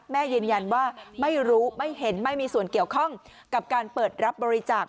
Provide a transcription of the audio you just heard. แม่ยืนยันว่าไม่รู้ไม่เห็นไม่มีส่วนเกี่ยวข้องกับการเปิดรับบริจาค